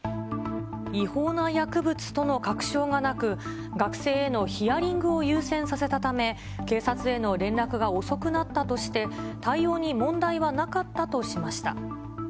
違法な薬物との確証がなく、学生へのヒアリングを優先させたため、警察への連絡が遅くなったとして、対応に問題はなかったとしました。